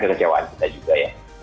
kecewaan kita juga ya